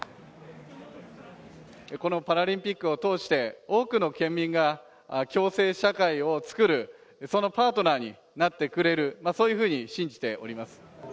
このパラリンピックを通して、多くの県民が共生社会を作る、そのパートナーになってくれる、そういうふうに信じております。